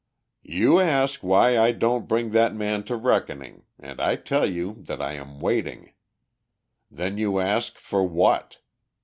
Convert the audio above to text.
"You ask why I don't bring that man to reckoning, and I tell you that I am waiting. Then you ask, for what?"